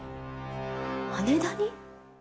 羽田に？